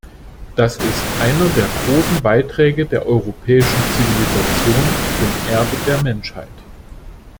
Das ist einer der großen Beiträge der europäischen Zivilisation zum Erbe der Menschheit.